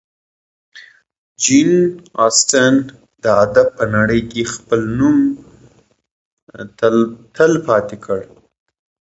جین اسټن د ادب په نړۍ کې خپل نوم تلپاتې کړ.